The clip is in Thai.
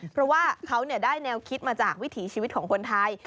เพราะว่าเขาได้แนวคิดมาจากวิถีชีวิตของคนไทย